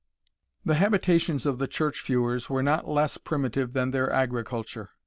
The habitations of the church feuars were not less primitive than their agriculture.